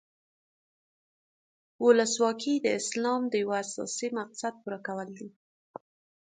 ولسواکي د اسلام د یو اساسي مقصد پوره کول دي.